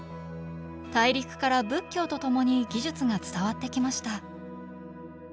大陸から仏教とともに技術が伝わってきました。